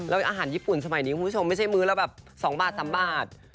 แล้วอาหารญี่ปุ่นสมัยนี้คุณผู้ชมไม่ใช่มื้อละแบบ๒บาท๓บาท